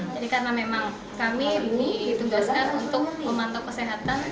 jadi karena memang kami ditugaskan untuk memantau kesehatan